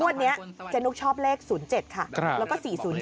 วันนี้เจนุ๊กชอบเลข๐๗ค่ะแล้วก็๔๐๗